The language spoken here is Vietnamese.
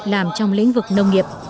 làm trong lĩnh vực nông nghiệp